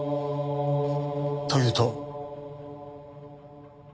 というと？